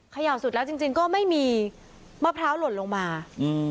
เขย่าสุดแล้วจริงจริงก็ไม่มีมะพร้าวหล่นลงมาอืม